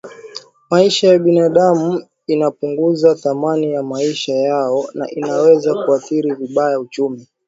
maisha ya binadamu inapunguza thamani ya maisha yao na inaweza kuathiri vibaya uchumi